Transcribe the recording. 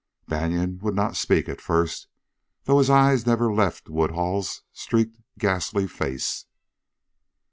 Banion would not speak at first, though his eyes never left Woodhull's streaked, ghastly face.